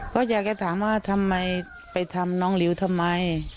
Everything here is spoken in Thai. ก็อยากจะถามว่าทำไมไปทำน้องลิวทำไม